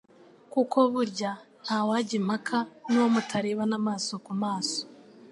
kuko burya ntiwajya impaka n'uwo mutarebana amaso ku maso